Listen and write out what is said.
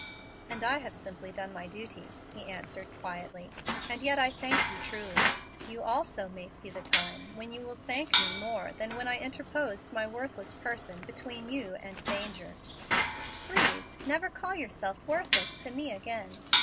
"And I have simply done my duty," he answered, quietly. "And yet I thank you truly. You also may see the time when you will thank me more than when I interposed my worthless person between you and danger." "Please never call yourself 'worthless' to me again.